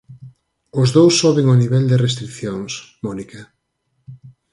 Os dous soben o nivel de restricións, Mónica.